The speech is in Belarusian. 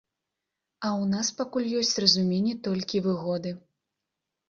А ў нас пакуль ёсць разуменне толькі выгоды.